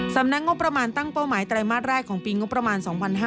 สำนักงบประมาณตั้งเป้าหมายไตรมาสแรกของปีงบประมาณ๒๕๕๙